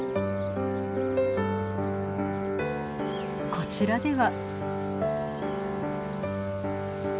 こちらでは。